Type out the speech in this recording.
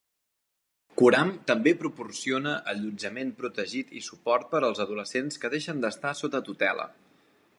Coram també proporciona allotjament protegit i suport per als adolescents que deixen d'estar sota tutela.